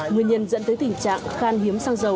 nguyên nhân dẫn tới tình trạng khan hiếm xăng dầu